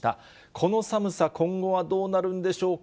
この寒さ、今後はどうなるんでしょうか。